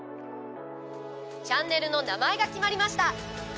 チャンネルの名前が決まりました。